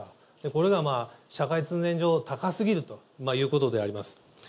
これが社会通念上高すぎるということであります。